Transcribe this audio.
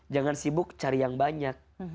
jangan sibuk cari yang banyak